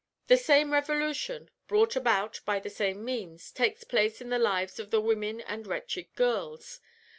"The same revolution, brought about by the same means, takes place in the lives of the women and wretched girls.